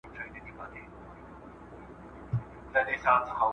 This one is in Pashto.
ولي مدام هڅاند د تکړه سړي په پرتله خنډونه ماتوي؟